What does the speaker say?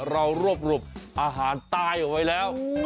เรารวบอาหารใต้ออกไปแล้ว